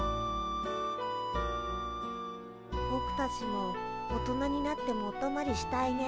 ぼくたちも大人になってもおとまりしたいね。